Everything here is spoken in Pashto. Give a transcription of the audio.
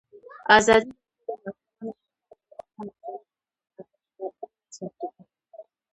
ازادي راډیو د د ماشومانو حقونه پر اړه مستند خپرونه چمتو کړې.